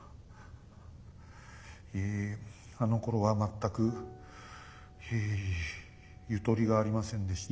ええあのころは全くええゆとりがありませんでした。